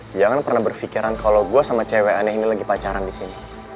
jangan pernah berfikiran kalau gue sama cewek aneh ini lagi pacaran disini